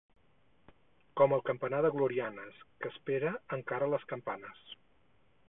Com el campanar de Glorianes, que espera, encara, les campanes.